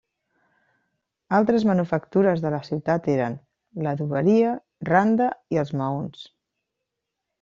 Altres manufactures de la ciutat eren: l'adoberia, randa i els maons.